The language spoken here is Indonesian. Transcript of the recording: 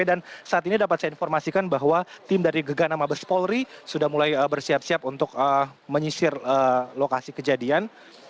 dan saat ini dapat saya informasikan bahwa tim dari gaganama bespolri sudah mulai bersiap siap untuk menyisir lokasi kejadian